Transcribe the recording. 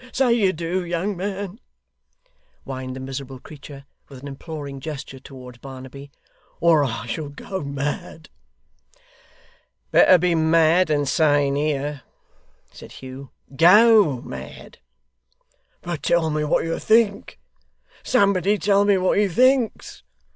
Say you do, young man,' whined the miserable creature, with an imploring gesture towards Barnaby, 'or I shall go mad!' 'Better be mad than sane, here,' said Hugh. 'GO mad.' 'But tell me what you think. Somebody tell me what he thinks!